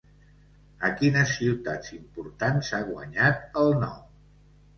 A quines ciutats importants ha guanyat el No?